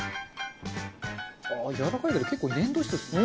ああやわらかい結構粘土質ですね。